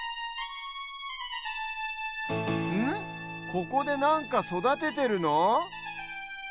ここでなんかそだててるの？